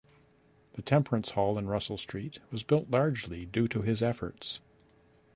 The Temperance Hall in Russell Street was built largely due to his efforts.